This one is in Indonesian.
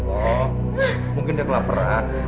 oh mungkin dia kelaparan